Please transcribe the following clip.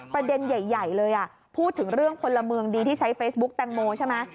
ประเด็นใหญ่เลยพูดถึงเรื่องพลเมืองดีที่ใช้เฟซบุ๊กแตงโมใช่ไหม